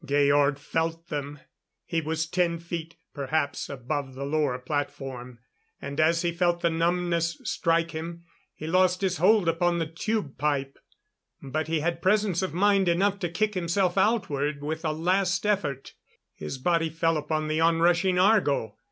Georg felt them. He was ten feet, perhaps, above the lower platform; and as he felt the numbness strike him, he lost his hold upon the tube pipe. But he had presence of mind enough to kick himself outward with a last effort. His body fell upon the onrushing Argo.